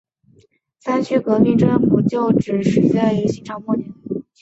三区革命政府旧址始建于清朝末年。